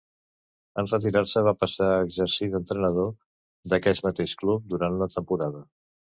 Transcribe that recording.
En retirar-se va passar a exercir d'entrenador d'aquest mateix club durant una temporada.